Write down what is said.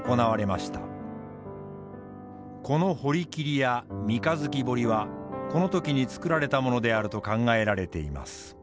この堀切や三日月堀はこの時に作られたものであると考えられています。